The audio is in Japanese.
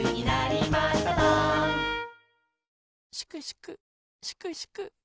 ・しくしくしくしく。